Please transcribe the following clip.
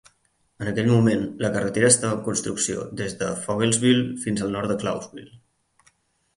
En aquell moment, la carretera estava en construcció des de Fogelsville fins al nord de Claussville.